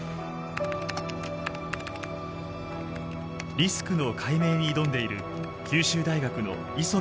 リスクの解明に挑んでいる九州大学の磯辺篤彦さん。